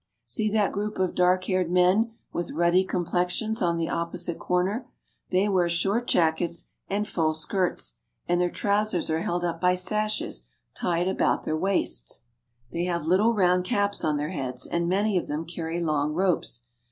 See that group of dark faced men with ruddy complex ions on the opposite corner. They wear short jackets and full skirts, and their trousers are held up by sashes tied Basques. BUENOS AIRES. 95 about their waists. They have little round caps on their heads, and many of them carry long ropes.